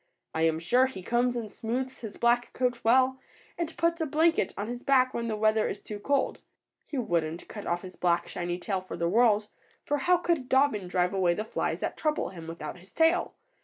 I am sure he combs and smooths his black coat well, and puts a blanket on his back when the weather is too cold. He wouldn't cut off his black, shiny tail for the world, for how could Dobbin drive away the flies that trouble him, without his tail?